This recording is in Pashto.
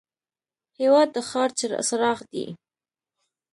هېواد د ښار څراغ دی.